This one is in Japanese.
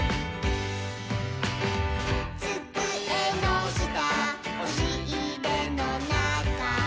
「つくえのしたおしいれのなか」